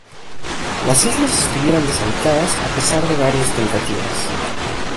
Las islas estuvieron deshabitadas a pesar de varias tentativas.